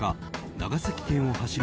長崎県を走る